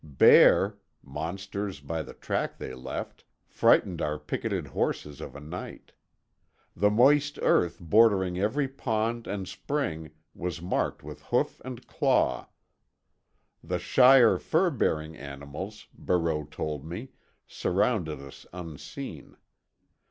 Bear—monsters, by the track they left—frightened our picketed horses of a night. The moist earth bordering every pond and spring was marked with hoof and claw. The shyer fur bearing animals, Barreau told me, surrounded us unseen.